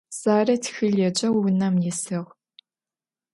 Zare txılh yêceu vunem yisığ.